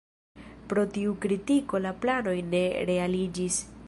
Pro tiu kritiko la planoj ne realiĝis.